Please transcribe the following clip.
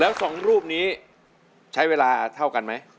แล้วสองรูปนี้ใช้เวลาเท่ากันไหม